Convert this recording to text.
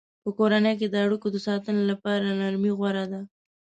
په کورنۍ کې د اړیکو د ساتنې لپاره نرمي غوره ده.